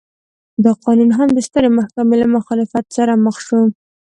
دا قانون هم د سترې محکمې له مخالفت سره مخ شو.